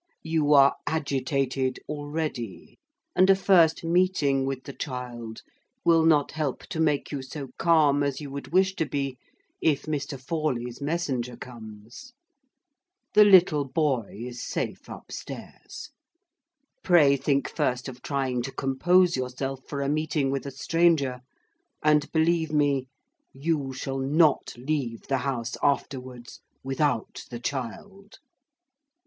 You are agitated already, and a first meeting with the child will not help to make you so calm, as you would wish to be, if Mr. Forley's messenger comes. The little boy is safe up stairs. Pray think first of trying to compose yourself for a meeting with a stranger; and believe me you shall not leave the house afterwards without the child."